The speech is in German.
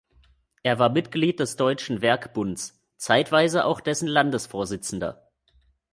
Er war Mitglied des Deutschen Werkbunds, zeitweise auch dessen Landesvorsitzender.